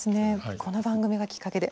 この番組がきっかけで。